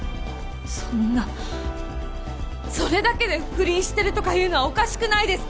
そんなそれだけで不倫してるとかいうのはおかしくないですか？